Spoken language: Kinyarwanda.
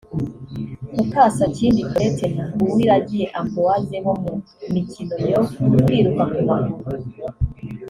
Mukasakindi Claudette na Uwiragiye Ambroise bo mu mikino yo kwiruka ku maguru